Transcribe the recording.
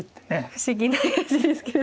不思議な話ですけど。